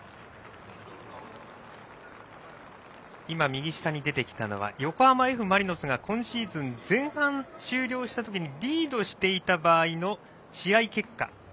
右下に出てきたのは横浜Ｆ・マリノスが今シーズン前半終了したときにリードしていた場合の試合結果。